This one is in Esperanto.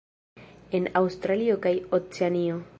En Aŭstralio kaj Oceanio.